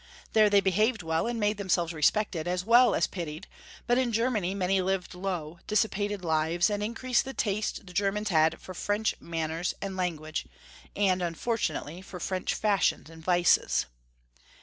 There they behaved well, and made themselves respected as well as pitied, but in Germany many lived low, dissipated lives, and increased the taste the Ger mans had for French manners and language, and, unfortunately, for French fashions and vices.